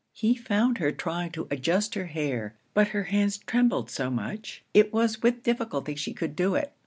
He found her trying to adjust her hair; but her hands trembled so much, it was with difficulty she could do it.